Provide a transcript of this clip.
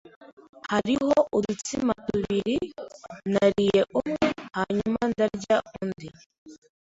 Hariho udutsima tubiri. Nariye umwe hanyuma ndarya undi.